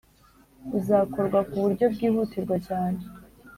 buzakorwa ku buryo bwihutirwa cyane.